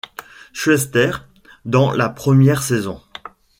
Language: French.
Schuester dans la première saison.